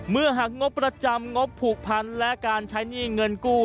หากงบประจำงบผูกพันและการใช้หนี้เงินกู้